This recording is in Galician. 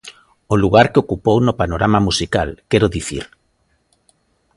O lugar que ocupou no panorama musical, quero dicir.